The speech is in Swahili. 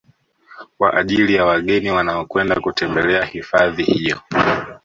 Kwa ajili ya wageni wanaokwenda kutembelea hifadhi hiyo